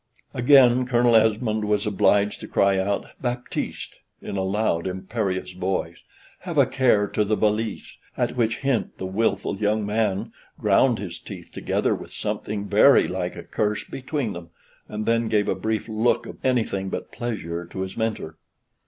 Again Colonel Esmond was obliged to cry out, "Baptiste," in a loud imperious voice, "have a care to the valise;" at which hint the wilful young man ground his teeth together with something very like a curse between them, and then gave a brief look of anything but pleasure to his Mentor.